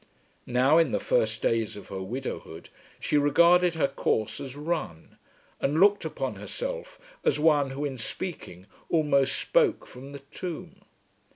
Now in the first days of her widowhood she regarded her course as run, and looked upon herself as one who, in speaking, almost spoke from the tomb.